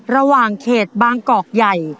ระหว่างเขตบางกอกใหญ่